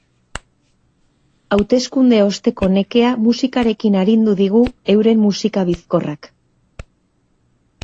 Hauteskunde osteko nekea musikarekin arindu digu euren musika bizkorrak.